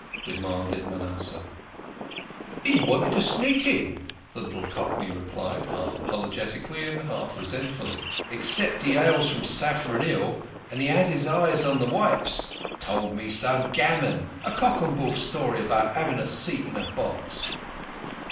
demanded Manasseh. "He wanted to sneak in," the little Cockney replied, half apologetically, half resentfully. " Expect 'e 'ails from Saffron '111, and 'as 'is eye on the vipes. Told me some gammon a cock and bull story about having a seat in a box."